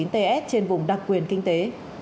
trên vùng đặc quyền kinh tế